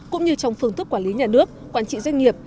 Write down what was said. cũng như trong phương thức quản lý nhà nước quản trị doanh nghiệp